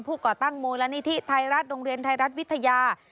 ก่อตั้งมูลนิธิไทยรัฐโรงเรียนไทยรัฐวิทยา